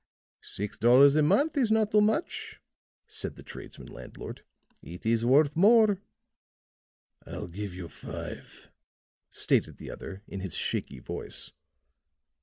"Six dollars a month is not too much," said the tradesman landlord. "It is worth more." "I'll give you five," stated the other, in his shaky voice.